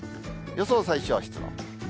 予想最小湿度。